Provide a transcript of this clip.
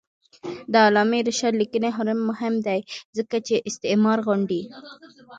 د علامه رشاد لیکنی هنر مهم دی ځکه چې استعمار غندي.